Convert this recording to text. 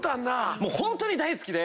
もうホントに大好きで！